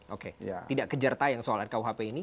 oke tidak kejar tayang soal rkuhp ini